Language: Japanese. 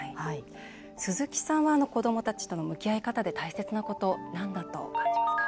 鈴木さんは子どもたちとの向き合い方で大切なこと何だと感じますか？